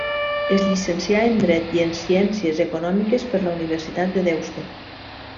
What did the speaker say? Es llicencià en dret i en ciències econòmiques per la Universitat de Deusto.